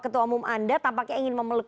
ketua umum anda tampaknya ingin memeluk